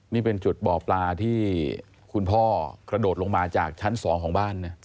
นี่เป็นจุดบ่อปลาที่คุณพ่อกระโดดลงมาจากชั้น๒ของบ้าน